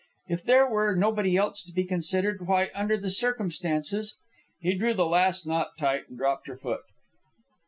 If there were nobody else to be considered, why, under the circumstances ..." He drew the last knot tight and dropped her foot.